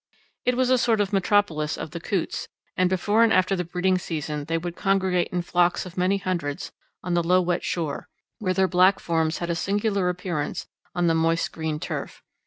It was a sort of metropolis of the coots, and before and after the breeding season they would congregate in flocks of many hundreds on the low wet shore, where their black forms had a singular appearance on the moist green turf.